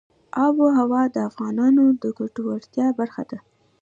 آب وهوا د افغانانو د ګټورتیا برخه ده.